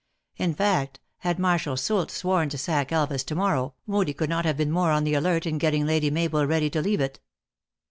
In fact, had Marshal Soult sworn to sack Elvas to mor row, Moodie could not have been more on the alert in getting Lady Mabel ready to leave it.